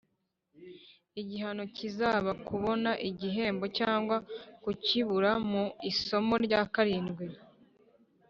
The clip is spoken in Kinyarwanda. igihano kizaba kubona igihembo cyangwa kukibura Mu isomo rya karindwi